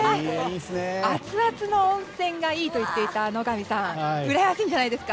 熱々の温泉がいいと言ってた野上さんうらやましいんじゃないですか？